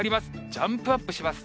ジャンプアップします。